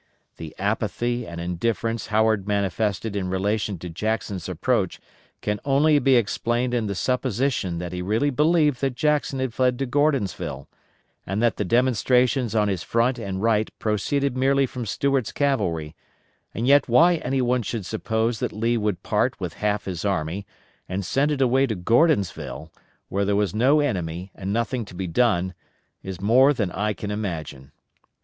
The apathy and indifference Howard manifested in relation to Jackson's approach can only be explained in the supposition that he really believed that Jackson had fled to Gordonsville, and that the demonstrations on his front and right proceeded merely from Stuart's cavalry; and yet why any one should suppose that Lee would part with half his army, and send it away to Gordonsville where there was no enemy and nothing to be done, is more than I can imagine.